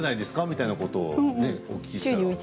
みたいなことをお聞きしたら。